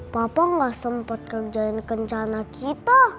papa gak sempat kerjain rencana kita